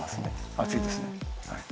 熱いですねはい。